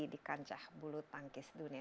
di kancah bulu tangkis dunia